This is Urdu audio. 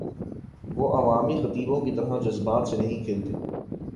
وہ عوامی خطیبوں کی طرح جذبات سے نہیں کھیلتے تھے۔